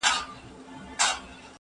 زه له سهاره ږغ اورم،